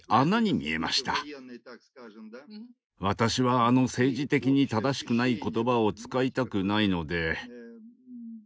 私はあの政治的に正しくない言葉を使いたくないので。